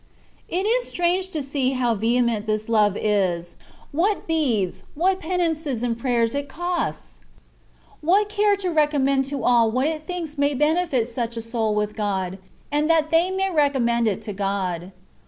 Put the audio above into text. It is strange to see how vehement this love is : what beads^ what penances^ and prayers it 34 THE WAY OF PERFECTION. costs ! What care to recommend to all what it thinks may benefit such a soul with God, and that they may recommend it to God.